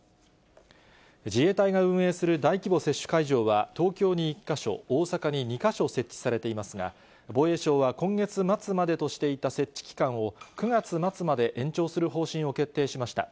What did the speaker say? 自衛隊が運営する大規模接種会場は、東京に１か所、大阪に２か所設置されていますが、防衛省は今月末までとしていた設置期間を、９月末まで延長する方針を決定しました。